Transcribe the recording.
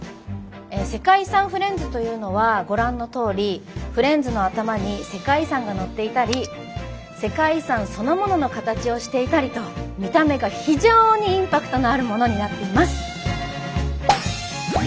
世界遺産フレンズというのはご覧のとおりフレンズの頭に世界遺産がのっていたり世界遺産そのものの形をしていたりと見た目が非常にインパクトのあるものになっています。